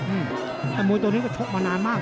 แต่มวยตัวนี้ก็ชกมานานมาก